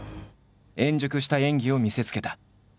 円熟した演技を見せつけた。